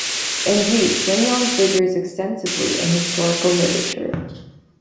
Indeed, Shennong figures extensively in historical literature.